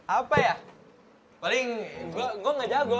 apa ya paling gue gak jago